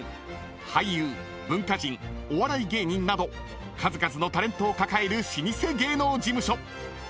［俳優文化人お笑い芸人など数々のタレントを抱える］